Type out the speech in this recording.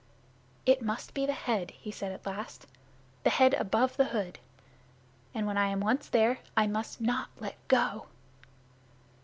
"It must be the head"' he said at last; "the head above the hood. And, when I am once there, I must not let go."